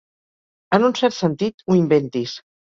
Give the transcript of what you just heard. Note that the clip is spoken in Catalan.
En un cert sentit, ho inventis.